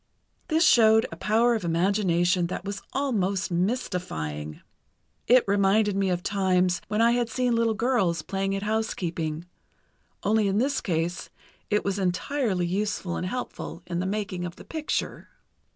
This showed a power of imagination that was almost mystifying. It reminded me of times when I had seen little girls playing at housekeeping, only in this case it was entirely useful and helpful in the making of the picture.